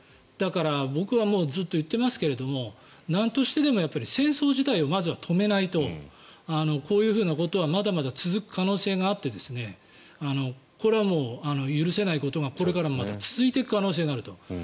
だから、僕はずっと言っていますけどなんとしてでも戦争自体をまずは止めないとこういうふうなことはまだまだ続く可能性があってこれは許せないことがこれからもまた続いていく可能性があると。